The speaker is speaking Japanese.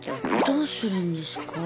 どうするんですか？